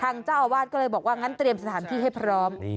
เจ้าอาวาสก็เลยบอกว่างั้นเตรียมสถานที่ให้พร้อม